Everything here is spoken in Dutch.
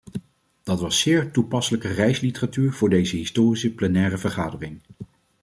Dat was zeer toepasselijke reisliteratuur voor deze historische plenaire vergadering.